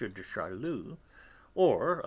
de Charlus, or of M.